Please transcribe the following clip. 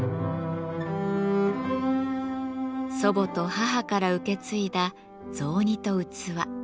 祖母と母から受け継いだ雑煮とうつわ。